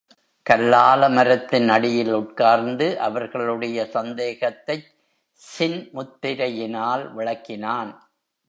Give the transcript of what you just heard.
கல்லாலமரத்தின் அடியில் உட்கார்ந்து அவர்களுடைய சந்தேகத்தைச் சின் முத்திரையினால் விளக்கினான்.